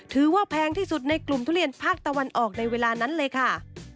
แพงที่สุดในกลุ่มทุเรียนภาคตะวันออกในเวลานั้นเลยค่ะ